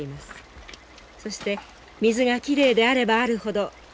そして水がきれいであればあるほど種類も豊富です。